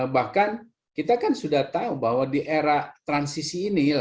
bahkan kita kan sudah tahu bahwa di era transisi ini